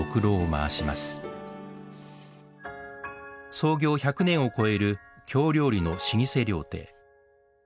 創業１００年を超える京料理の老舗料亭。